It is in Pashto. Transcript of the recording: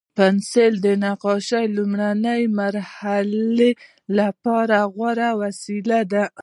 پنسل د نقاشۍ لومړني مرحلې لپاره غوره وسیله ده.